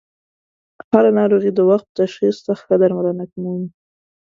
هر ه ناروغي د وخت په تشخیص ښه درملنه مومي.